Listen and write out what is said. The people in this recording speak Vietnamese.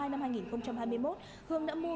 năm hai nghìn hai mươi một hương đã mua